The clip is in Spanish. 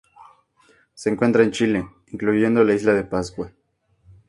Se encuentra en Chile, incluyendo la Isla de Pascua.